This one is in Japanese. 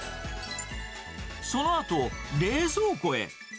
そのあと、冷蔵庫へ。